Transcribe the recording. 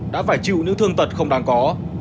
đã phải chịu những thương tật không đáng có